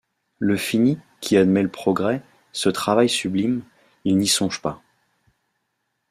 Le fini, qui admet le progrès, ce travail sublime, ils n’y songent pas.